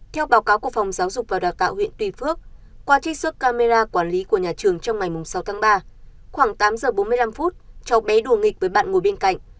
theo báo cáo của phòng giáo dục và đào tạo huyện tuy phước qua trích xuất camera quản lý của nhà trường trong ngày sáu tháng ba khoảng tám giờ bốn mươi năm phút cháu bé đùa nghịch với bạn ngồi bên cạnh